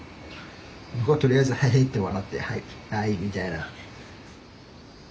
僕はとりあえずヘヘッて笑ってはいはいみたいな。